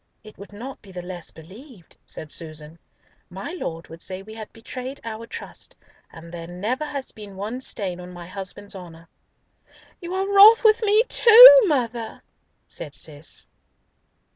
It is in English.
"It would not be the less believed," said Susan. "My Lord would say we had betrayed our trust, and there never has been one stain on my husband's honour." "You are wroth with me too, mother!" said Cis.